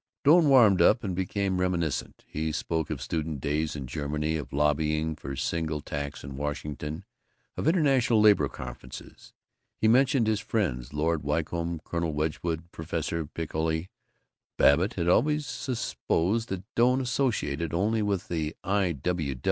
Doane warmed up and became reminiscent. He spoke of student days in Germany, of lobbying for single tax in Washington, of international labor conferences. He mentioned his friends, Lord Wycombe, Colonel Wedgwood, Professor Piccoli. Babbitt had always supposed that Doane associated only with the I.